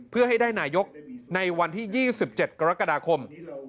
เพื่อให้ได้นายกในวันที่๒๗กรกฎาคม